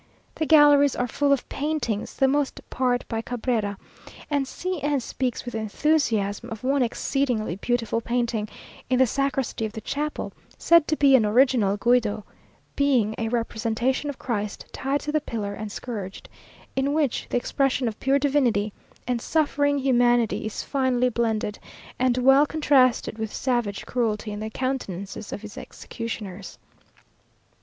The galleries are full of paintings, the most part by Cabrera; and C n speaks with enthusiasm of one exceedingly beautiful painting, in the sacristy of the chapel, said to be an original Guido, being a representation of Christ tied to the pillar and scourged; in which the expression of pure divinity and suffering humanity is finely blended, and well contrasted with savage cruelty in the countenances of his executioners.